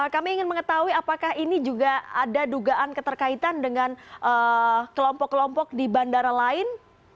kami ingin mengetahui apakah ini juga ada dugaan keterkaitan dengan kelompok kelompok di bandara lain